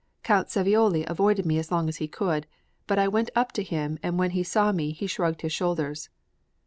Count Savioli avoided me as long as he could, but I went up to him, and when he saw me he shrugged his shoulders.